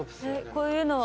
こういうのは。